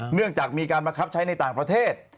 เนื่องจากมีการบังคับใช้ในต่างประเทศ